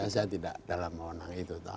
saya tidak dalam mewenang itu